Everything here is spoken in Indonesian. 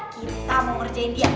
kita mau ngerjain dia